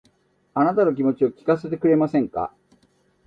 あなたの気持ちを聞かせてくれませんか